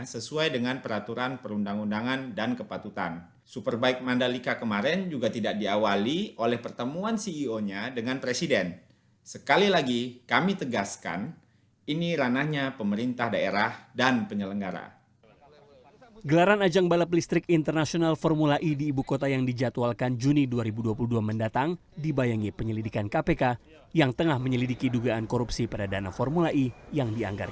sesuai dengan peraturan perundang undangnya